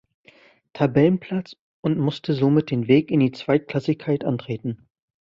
Tabellenplatz und musste somit den Weg in die Zweitklassigkeit antreten.